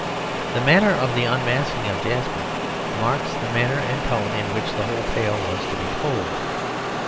The manner of the unmasking of Jasper marks the manner and tone in which the whole tale was to be told.